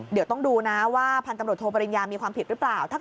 เดี๋ยวต้องดูนะว่าพันธุ์ตำรวจโทปริญญามีความผิดหรือเปล่า